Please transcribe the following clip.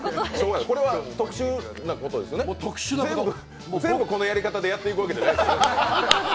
特殊なことですよね、全部このやり方でやっていくわけじゃないですよね？